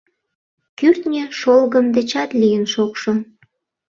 Кӱртньӧ шолгым дечат лийын шокшо.